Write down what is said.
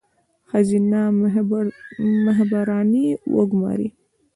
ښځینه مخبرانې وګوماري.